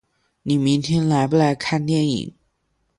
你明天来不来看电影？